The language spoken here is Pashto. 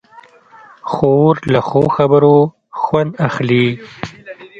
خور له ښو خبرو خوند اخلي.